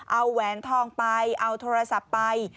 เอาแหวนทองไปเอาโทรศัพท์ไป